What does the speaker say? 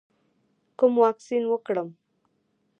کوم واکسین وکړم؟